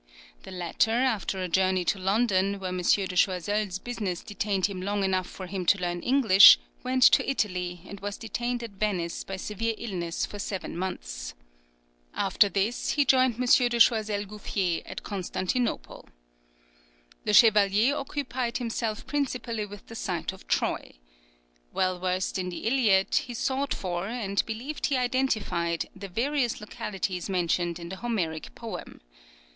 The latter, after a journey to London, where M. de Choiseul's business detained him long enough for him to learn English, went to Italy, and was detained at Venice by severe illness for seven months. After this he joined M. de Choiseul Gouffier at Constantinople. Le Chevalier occupied himself principally with the site of Troy. Well versed in the Iliad, he sought for, and believed he identified, the various localities mentioned in the Homeric poem.